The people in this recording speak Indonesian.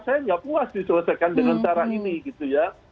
saya nggak puas diselesaikan dengan cara ini gitu ya